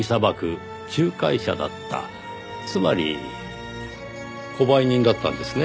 つまり故買人だったんですね。